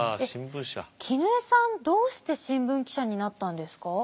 絹枝さんどうして新聞記者になったんですか？